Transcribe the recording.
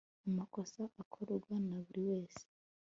amakosa akorwa na buri wese